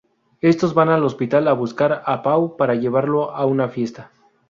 Estos van al hospital a buscar a Pau para llevarlo a una fiesta.